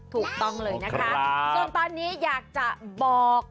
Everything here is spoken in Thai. ถูกต้องเลยนะคะส่วนตอนนี้อยากจะบอก